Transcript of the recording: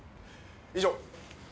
以上。